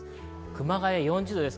熊谷４０度です。